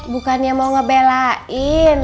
bukannya mau ngebelain